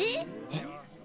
えっ。